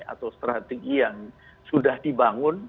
atau strategi yang sudah dibangun